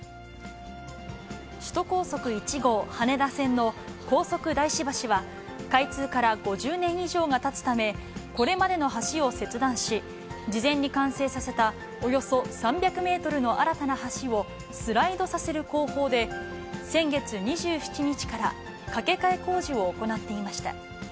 首都高速１号羽田線の高速大師橋は、開通から５０年以上がたつため、これまでの橋を切断し、事前に完成させたおよそ３００メートルの新たな橋をスライドさせる工法で、先月２７日から架け替え工事を行っていました。